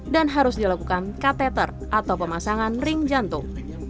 dan harus dilakukan katheter atau pemasangan ring jantung